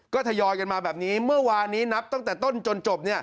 ก็ทยอยกันมาแบบนี้เมื่อวานนี้นับตั้งแต่ต้นจนจบ